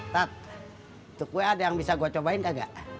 tat itu kue ada yang bisa gue cobain enggak